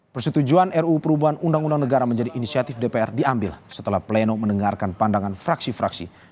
persetujuan ru perubahan undang undang negara menjadi inisiatif dpr diambil setelah pleno mendengarkan pandangan fraksi fraksi